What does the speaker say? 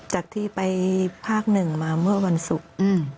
จากที่ไปภาคหนึ่งมาเมื่อวันศุกร์